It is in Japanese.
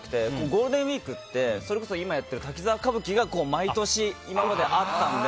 ゴールデンウィークってそれこそ今やってる「滝沢歌舞伎」が毎年今まであったので。